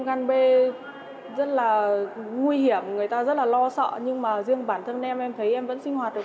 gian bê rất là nguy hiểm người ta rất là lo sợ nhưng mà riêng bản thân em em thấy em vẫn sinh hoạt được